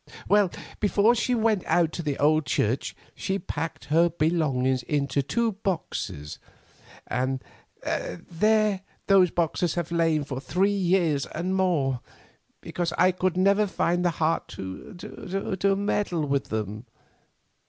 Well, before she went out to the old church she packed her belongings into two boxes, and there those boxes have lain for three years and more, because I could never find the heart to meddle with them.